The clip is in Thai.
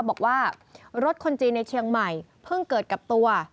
บอกว่ารถคนจีนในเชียงใหม่เพิ่งเกิดกับตัว